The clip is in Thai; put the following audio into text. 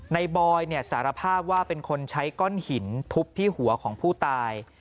บอยสารภาพว่าเป็นคนใช้ก้อนหินทุบที่หัวของผู้ตาย